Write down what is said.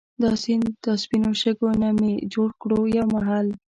دا سیند دا سپينو شګو نه مي جوړ کړو يو محل